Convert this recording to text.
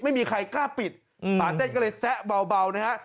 ไม่มีใครกล้าปิดฝาเต้นก็เลยแซะเบานะฮะ